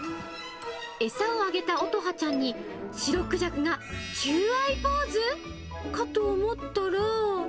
餌をあげた音羽ちゃんに、シロクジャクが求愛ポーズかと思ったら。